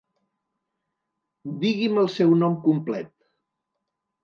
Digui'm el seu nom complet.